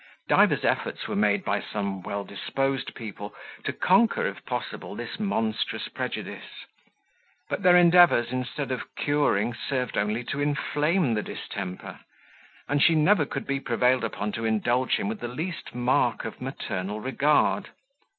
Divers efforts were made by some well disposed people to conquer, if possible, this monstrous prejudice; but their endeavours, instead of curing, served only to inflame the distemper, and she never could be prevailed upon to indulge him with the least mark of maternal regard.